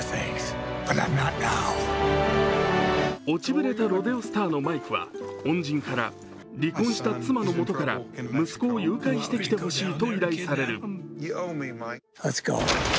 落ちぶれたロデオスターのマイクは恩人から離婚した妻のもとから息子を誘拐してきてほしいと依頼される。